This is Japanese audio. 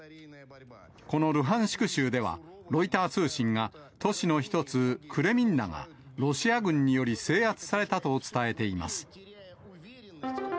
このルハンシク州では、ロイター通信が都市の一つ、クレミンナがロシア軍により制圧されたと伝えています。